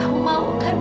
kamu enggak mau kan